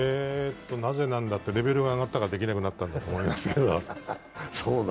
なぜなんだって、レベルが上がったからできなくなったんだと思いますが。